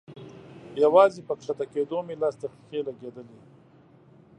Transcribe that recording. يوازې په کښته کېدو مې لس دقيقې لګېدلې.